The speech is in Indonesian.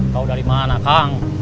tau dari mana kang